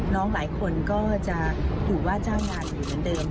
น้องหลายคนก็จะถูกว่าจ้างงานอยู่เหมือนเดิม